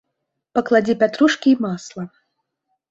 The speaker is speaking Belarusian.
Пакладзі пятрушкі і масла.